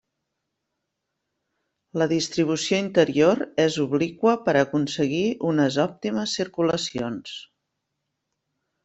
La distribució interior és obliqua per aconseguir unes òptimes circulacions.